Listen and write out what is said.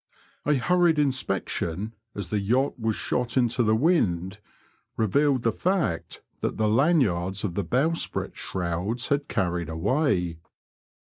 A hurried inspection, as the yacht was shot into the wind, revealed the fact that the lanyards of the bowsprit shrouds had carried away.